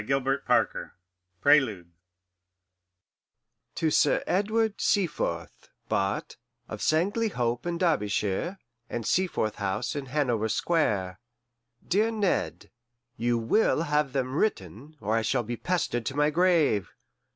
Gilbert Parker PRELUDE To Sir Edward Seaforth, Bart., of Sangley Hope in Derbyshire, and Seaforth House in Hanover Square. Dear Ned: You will have them written, or I shall be pestered to my grave!